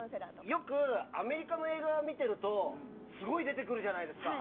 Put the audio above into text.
よくアメリカの映画を見ているとすごい出てくるじゃないですか。